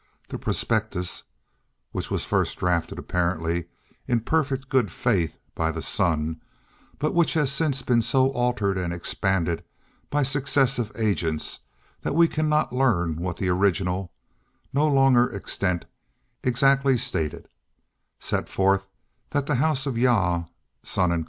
The Prospectus (which was first drafted, apparently in perfect good faith, by the Son; but which has since been so altered and expanded by successive agents that we cannot learn what the original, no longer extant, exactly stated) sets forth that the House of Jah, Son and Co.